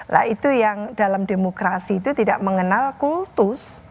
nah itu yang dalam demokrasi itu tidak mengenal kultus